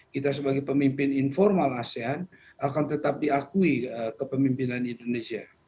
kita sebagai pemimpin informal asean akan tetap diakui kepemimpinan indonesia